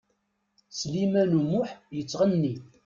Sliman U Muḥ yettɣenni.